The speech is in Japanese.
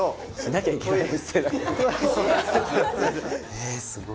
えすごい。